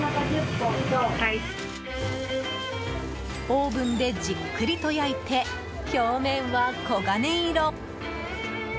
オーブンでじっくりと焼いて表面は黄金色。